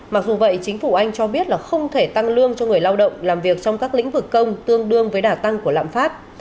mặc dù vậy chính phủ anh cho biết là không thể tăng lương cho người lao động làm việc trong các lĩnh vực công tương đương với đả tăng của lạm phát